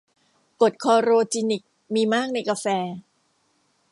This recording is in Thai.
กรดคลอโรจีนิค มีมากในกาแฟ